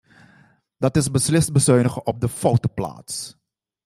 Dat is beslist bezuinigen op de foute plaats.